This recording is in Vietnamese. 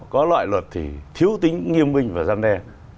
có loại luật thì thiếu tính nghiêm minh và gian đe